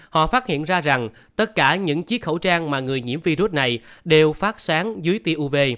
họ phát hiện ra rằng tất cả những chiếc khẩu trang mà người nhiễm virus này đều phát sáng dưới tia uv